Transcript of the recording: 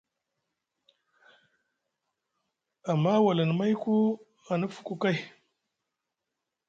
Amma walani mayku a nufuku kay.